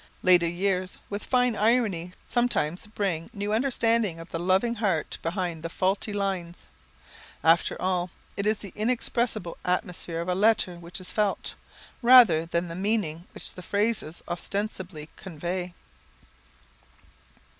Later years, with fine irony, sometimes bring new understanding of the loving heart behind the faulty lines. After all, it is the inexpressible atmosphere of a letter which is felt, rather than the meaning which the phrases ostensibly convey.